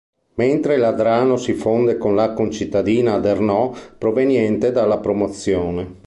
Mentre l'Adrano si fonde con la concittadina Adernò, proveniente dalla Promozione.